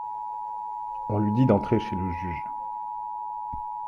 On lui dit d'entrer chez le juge.